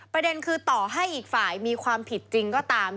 ประเด็นคือต่อให้อีกฝ่ายมีความผิดจริงก็ตาม